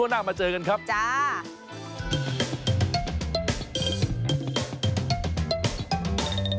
นี่